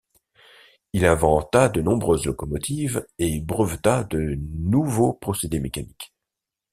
Il inventa de nombreuses locomotives et breveta de nouveaux procédés mécaniques.